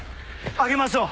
上げましょう。